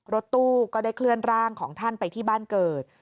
รถตู้ก็ได้เคลื่อนร่างของท่านไปที่บ้านเกิด